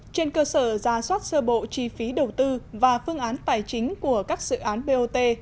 trên cơ sở ra soát sơ bộ chi phí đầu tư và phương án tài chính của các dự án bot